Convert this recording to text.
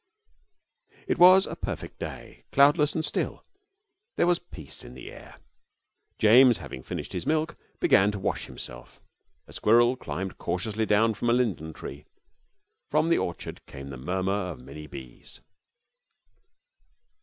It was a perfect day, cloudless and still. There was peace in the air. James, having finished his milk, began to wash himself. A squirrel climbed cautiously down from a linden tree. From the orchard came the murmur of many bees.